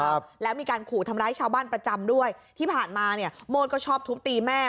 ครับแล้วมีการขู่ทำร้ายชาวบ้านประจำด้วยที่ผ่านมาเนี่ยโมดก็ชอบทุบตีแม่